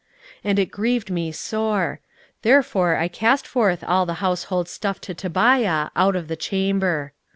16:013:008 And it grieved me sore: therefore I cast forth all the household stuff to Tobiah out of the chamber.